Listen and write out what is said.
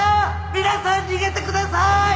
皆さん逃げてください！